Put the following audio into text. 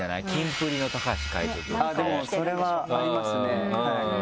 でもそれはありますねはい。